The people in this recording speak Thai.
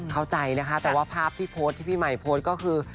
เข้าใจนะคะแต่ว่าภาพที่พี่ใหม่โพสต์ก็คือ